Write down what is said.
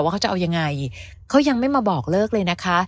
เขาจะเอายังไงเขายังไม่มาบอกเลิกเลยนะคะ